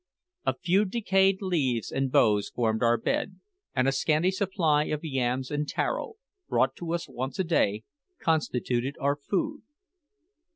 A few decayed leaves and boughs formed our bed, and a scanty supply of yams and taro, brought to us once a day, constituted our food.